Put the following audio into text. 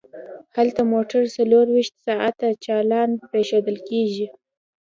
هلته موټر څلور ویشت ساعته چالان پریښودل کیږي